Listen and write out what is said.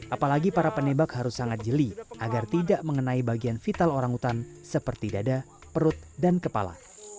apalagi para penembak harus sangat jeli agar tidak mengenai bagian vital orangutan seperti dada perut dan kepala